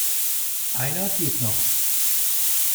Einer geht noch.